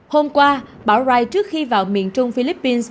hôm qua bão rai trước khi vào miền trung philippines